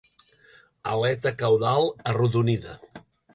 Aleta caudal arrodonida.